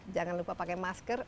jangan lupa pakai masker